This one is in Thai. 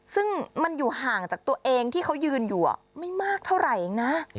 ซึ่งมันอยู่ห่างจากตัวเองที่เขายืนอยู่ไม่มากเท่าไหร่เองนะ